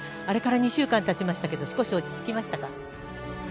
あれから２週間たちましたが少し落ち着きましたか？